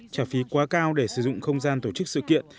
trả phí quá cao để sử dụng không gian tổ chức sự kiện